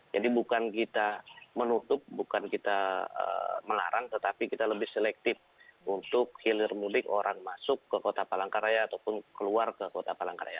jadi bukan kita menutup bukan kita mengarang tetapi kita lebih selektif untuk hilir mudik orang masuk ke kota palangkaraya ataupun keluar ke kota palangkaraya